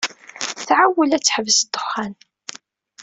Tɛewwel ad teḥbes ddexxan.